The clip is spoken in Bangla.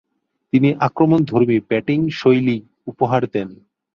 তিনি আক্রমণধর্মী ব্যাটিংশৈলী উপহার দেন।